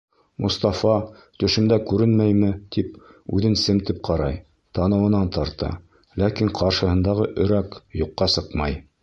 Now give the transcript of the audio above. Мостафа, төшөмдә күренмәйме, тип, үҙен семтеп ҡарай, танауынан тарта, ләкин ҡаршыһындағы өрәк юҡҡа сыҡмай.